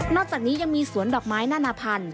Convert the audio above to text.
อกจากนี้ยังมีสวนดอกไม้นานาพันธุ